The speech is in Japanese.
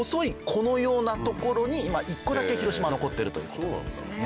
このような所に１個だけ広島は残っているということなんですね。